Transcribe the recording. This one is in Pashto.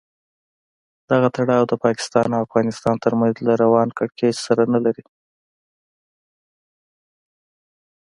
دغه تړاو د پاکستان او افغانستان تر منځ له روان کړکېچ سره نه لري.